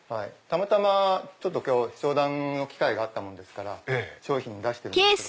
たまたま今日商談の機会があったもんですから商品出してるんですけど。